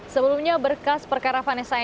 sebelumnya berkas perkara vanessa ang